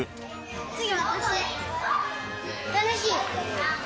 次、楽しい。